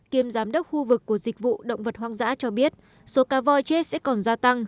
khu vực của dịch vụ động vật hoang dã cho biết số cá voi chết sẽ còn gia tăng